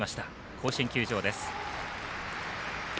甲子園球場です。